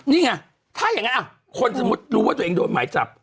นี่ไงถ้าอย่างนั้นคนสมมุติรู้ว่าตัวเองโดนหมายจับ